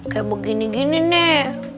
kayak begini gini nek